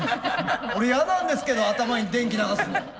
俺嫌なんですけど頭に電気流すの。